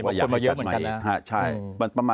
เห็นว่าคนมาเยอะเหมือนกันนะ